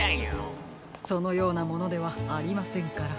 そのようなものではありませんから。